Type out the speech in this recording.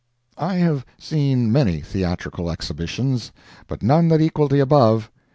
I have seen many theatrical exhibitions, but none that equalled the above.